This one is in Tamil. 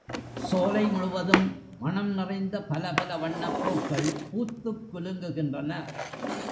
சோலை முழுவதும் மணம் நிறைந்த பலபல வண்ணப் பூக்கள் பூத்துக் குலுங்குகின்றன.